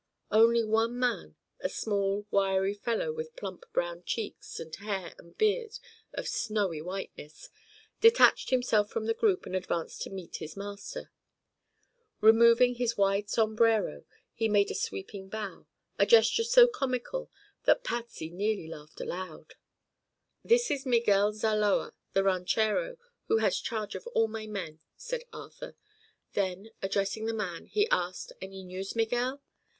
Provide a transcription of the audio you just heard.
Only one man, a small, wiry fellow with plump brown cheeks and hair and beard of snowy whiteness, detached himself from the group and advanced to meet his master. Removing his wide sombrero he made a sweeping bow, a gesture so comical that Patsy nearly laughed aloud. "This is Miguel Zaloa, the ranchero, who has charge of all my men," said Arthur. Then, addressing the man, he asked: "Any news, Miguel?"